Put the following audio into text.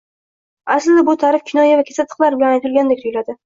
Aslida bu ta`rif kinoya va kesatiqlar bilan aytilgandek tuyuladi